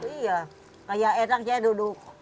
iya kayak enak saya duduk